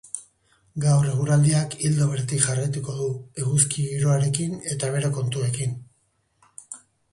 Gaur eguraldiak ildo beretik jarraituko du, eguzki giroarekin eta bero kontuekin.